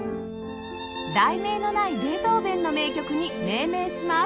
題名のないベートーヴェンの名曲に命名します